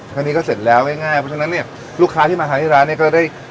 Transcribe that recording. ทางนี้ก็เสร็จแล้วง่ายเพราะฉะนั้นเนี่ยลูกค้าที่มาทานที่ร้านเนี่ยก็ได้